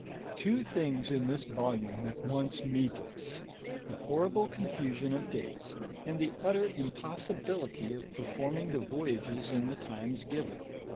Two things in this volume at once meet us, the horrible confusion of dates, and the utter impossibility of performing the voyages in the times given.